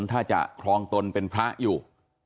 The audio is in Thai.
ถ้าจะครองตนเป็นพระอยู่